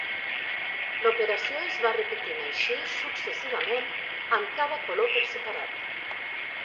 L'operació es va repetint així successivament amb cada color per separat.